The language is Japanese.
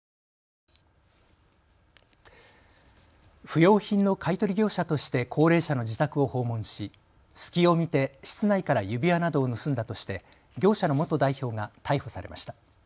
不用品の買い取り業者として高齢者の自宅を訪問し隙を見て室内から指輪などを盗んだとして業者の元代表が逮捕されました。